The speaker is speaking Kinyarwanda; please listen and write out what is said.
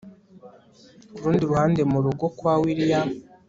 kurundi ruhande murugo kwa william